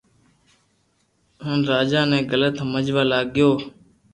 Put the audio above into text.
ھين راجا ني غلط ھمجوا لاگيو